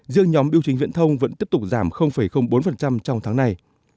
giữa nhóm biểu trình viễn thông vẫn tiếp tục giảm bốn trong tháng này